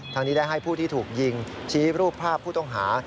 นี้ได้ให้ผู้ที่ถูกยิงชี้รูปภาพผู้ต้องหา